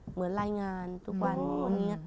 เหมือนรายงานทุกวัน